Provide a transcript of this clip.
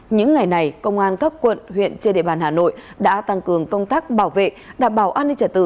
những ngày này công an các quận huyện trên địa bàn hà nội đã tăng cường công tác bảo vệ đảm bảo an ninh trả tự